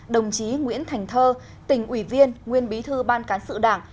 đồng chí nguyễn thành thơ tỉnh ủy viên nguyên bí thư ban cán sự đảng